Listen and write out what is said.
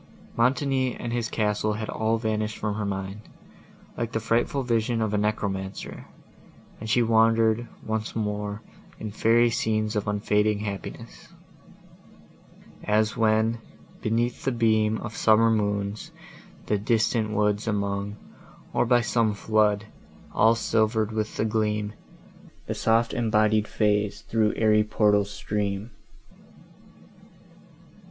Montoni and his castle had all vanished from her mind, like the frightful vision of a necromancer, and she wandered, once more, in fairy scenes of unfading happiness: As when, beneath the beam Of summer moons, the distant woods among, Or by some flood, all silver'd with the gleam, The soft embodied Fays thro' airy portals stream.